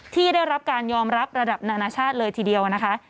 ที่ได้รับการยอมรับระดับนานาชาติเลยทีเดียวนะคะ